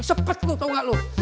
sepet lo tau gak lo